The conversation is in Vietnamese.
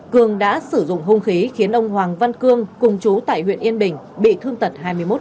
cường đã sử dụng hung khí khiến ông hoàng văn cương cùng chú tại huyện yên bình bị thương tật hai mươi một